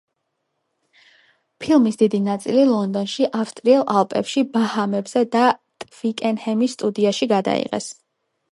ფილმის დიდი ნაწილი ლონდონში, ავსტრიულ ალპებში, ბაჰამებზე და ტვიკენჰემის სტუდიაში გადაიღეს.